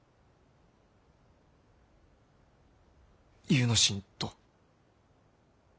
祐之進と。